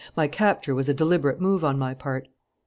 My capture was a deliberate move on my part.